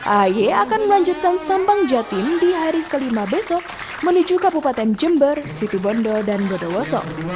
ahi akan melanjutkan sambang jatim di hari kelima besok menuju kabupaten jember situ bondo dan godowoso